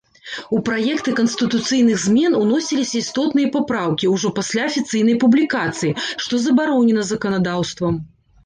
У праекты канстытуцыйных змен уносіліся істотныя папраўкі ўжо пасля афіцыйнай публікацыі, што забаронена заканадаўствам.